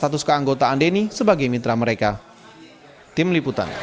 mereka juga berusaha beberapa hari untuk mengumpulkan data